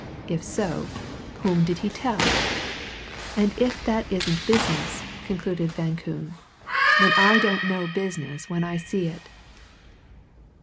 If so whom did he tell? And if that isn't business," concluded Van Koon, "then I don't know business when I see it!"